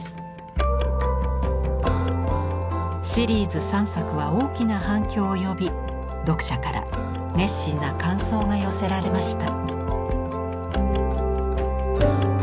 シリーズ３作は大きな反響を呼び読者から熱心な感想が寄せられました。